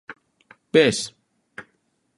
Ves?